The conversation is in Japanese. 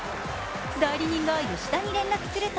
代理人が吉田に連絡すると